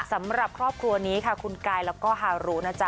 สำหรับครอบครัวนี้ค่ะคุณกายแล้วก็ฮารุนะจ๊